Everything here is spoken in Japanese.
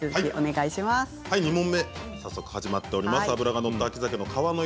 ２問目、早速始まっております。